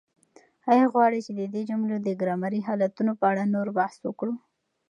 آیا غواړئ چې د دې جملو د ګرامري حالتونو په اړه نور بحث وکړو؟